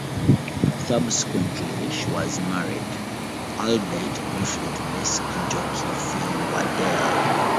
Subsequently, she was married, albeit briefly to disc jockey Phil Wardell.